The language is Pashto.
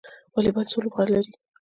والیبال څو لوبغاړي لري؟